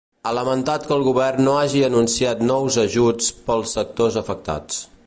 Ha lamentat que el govern no hagi anunciat nous ajuts pels sectors afectats.